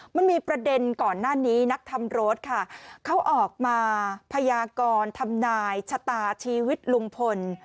มันมีประเด็นก่อนหน้านี้นักทำรถค่ะเขาออกมาพยากรทำนายชะตาชีวิตลุงพล